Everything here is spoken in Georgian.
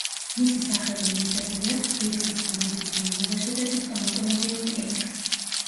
მისი სახელი მინიჭებული აქვს თბილისის სამედიცინო უნივერსიტეტის სტომატოლოგიურ კლინიკას.